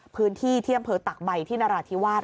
พื้นที่ที่อำเภอตักใบที่นราธิวาส